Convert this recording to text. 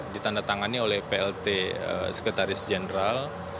ditandatangani oleh plt sekretaris jenderal